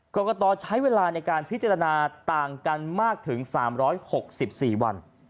กรกตใช้เวลาในการพิจารณาต่างกันมากถึง๓๖๔วัน